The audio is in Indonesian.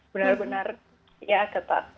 benar benar ya ketat